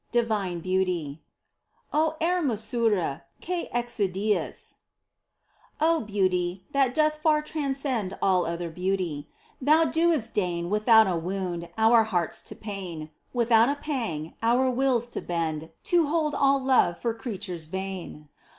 DIVINE BEAUTY. j O hermosura que excedéis ! O Beauty, that doth far transcend All other beauty ! Thou doest deign. Without a wound, our hearts to pain — Without a pang, our wills to bend To hold all love for creatures vain.